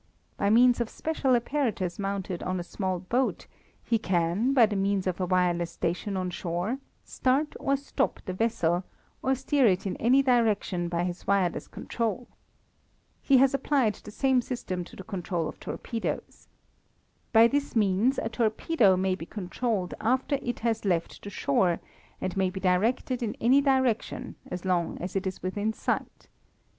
By means of special apparatus mounted on a small boat he can by the means of a wireless station on shore start or stop the vessel, or steer it in any direction by his wireless control. He has applied the same system to the control of torpedoes. By this means a torpedo may be controlled after it has left the shore and may be directed in any direction as long as it is within sight.